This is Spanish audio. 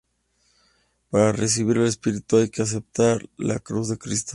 Para recibir al Espíritu hay que aceptar la Cruz de Cristo.